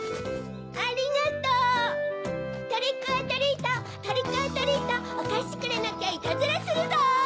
ありがとう！トリック・オア・トリートトリック・オア・トリートおかしくれなきゃいたずらするぞ！